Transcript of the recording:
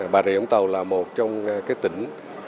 bà rịa ấn tàu là một trong cái tỉnh